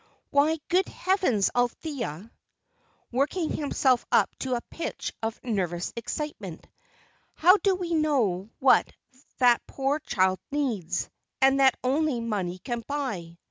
Why, good heavens, Althea" working himself up to a pitch of nervous excitement, "how do we know what that poor child needs, and that only money can buy?"